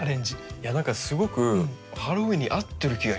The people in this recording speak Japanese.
何かすごくハロウィーンに合ってる気がします。